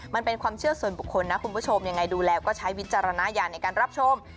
มันเป็นความเชื่อส่วนบุคคลนะคุณผู้ชมยังไงดูแล้วก็ใช้วิจารณญาณในการรับชม